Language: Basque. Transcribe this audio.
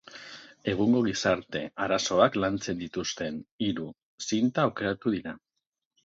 Egungo gizarte arazoak lantzen dituzten hiru zinta aukeratu dira.